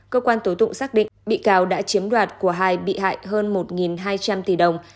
cơ quan tố tụng xác định bị cáo đã chiếm đoạt của hai bị hại hơn một hai trăm linh tỷ đồng